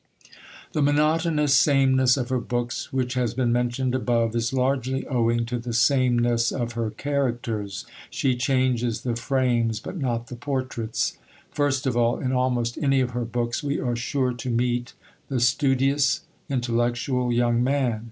The monotonous sameness of her books, which has been mentioned above, is largely owing to the sameness of her characters. She changes the frames, but not the portraits. First of all, in almost any of her books we are sure to meet the studious, intellectual young man.